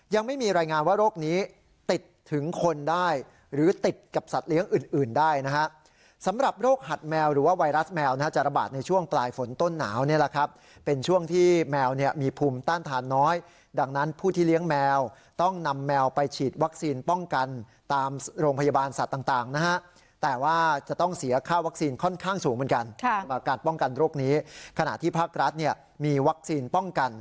ยังไม่มีรายงานว่ารกนี้ติดถึงคนได้หรือติดกับสัตว์เลี้ยงอื่นอื่นได้นะฮะสำหรับโรคหัดแมวหรือว่าไวรัสแมวนะฮะจะระบาดในช่วงปลายฝนต้นหนาวนี่แหละครับเป็นช่วงที่แมวเนี้ยมีภูมิต้านทานน้อยดังนั้นผู้ที่เลี้ยงแมวต้องนำแมวไปฉีดวัคซีนป้องกันตามโรงพยาบาลสัตว์ต่างต่าง